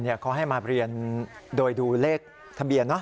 เขาให้มาเรียนโดยดูเลขทะเบียน